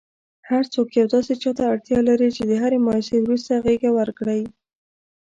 هرڅوک یو داسي چاته اړتیا لري چي د هري مایوسۍ وروسته غیږه ورکړئ.!